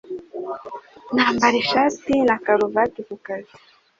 Nambara ishati na karuvati ku kazi